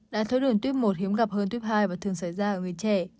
đai tháo đường type một hiếm gặp hơn type hai và thường xảy ra ở người trẻ